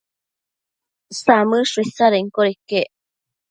Samëdsho isadenquioda iquec